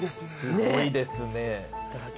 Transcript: すごいですね。